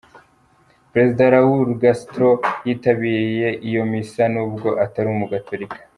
Perezida Raul Castro, yitabiriye iyo Misa n’ubwo atari umugatolika.